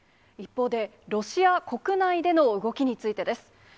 一方で、ロシア国内での動きについてです。